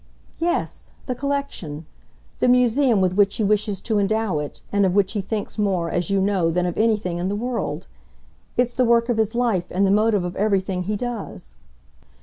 "Yes the collection, the Museum with which he wishes to endow it, and of which he thinks more, as you know, than of anything in the world. It's the work of his life and the motive of everything he does."